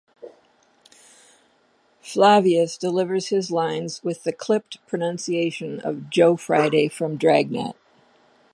Flavius delivers his lines with the clipped pronunciation of Joe Friday from "Dragnet".